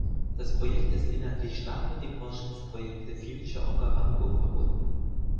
Das Projekt ist inhaltlich stark mit dem Forschungsprojekt The Future Okavango verbunden.